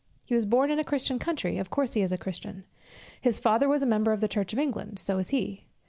He was born in a Christian country, of course he is a Christian; his father was a member of the church of England, so is he.